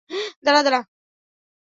দাঁড়া, দাঁড়া।